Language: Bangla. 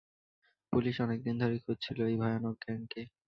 পুলিশ অনেক দিন ধরেই খুঁজছিলো এই ভয়ানক গ্যাং কে।